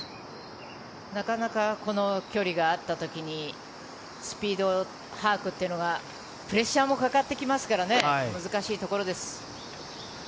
なかなかこの距離があった時にスピード把握というのがプレッシャーもかかってきますからね難しいところです。